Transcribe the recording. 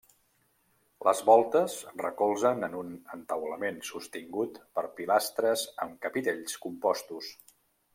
Les voltes recolzen en un entaulament sostingut per pilastres amb capitells compostos.